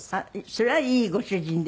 それはいいご主人ですよね。